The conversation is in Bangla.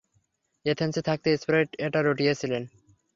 এথেন্সে থাকতে স্প্রাইট এটা রটিয়েছিল।